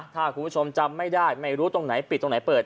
ถ้าคุณผู้ชมจำไม่ได้ไม่รู้ตรงไหนปิดตรงไหนเปิด